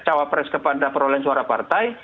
capres kepada peroleh suara partai